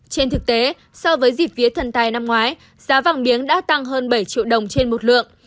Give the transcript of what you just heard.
trên thực tế so với dịp vía thần tài năm ngoái giá vàng miếng đã tăng hơn bảy triệu đồng trên một lượng